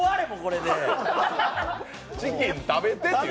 チキン食べてって！